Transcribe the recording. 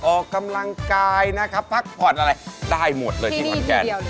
ออกกำลังกายนะครับพักผ่อนอะไรได้หมดเลยที่ขอนแก่น